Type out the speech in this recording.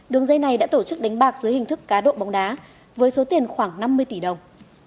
đường dây này đã tổ chức đánh bạc dưới hình thức cá độ bóng đá với số tiền khoảng năm mươi tỷ đồng